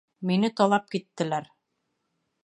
Мине талап киттеләр